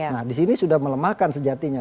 nah disini sudah melemahkan sejatinya